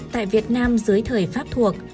tại việt nam dưới thời pháp thuộc